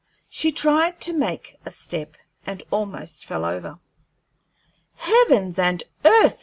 She tried to make a step and almost fell over. "Heavens and earth!"